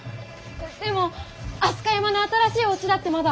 でも飛鳥山の新しいおうちだってまだ。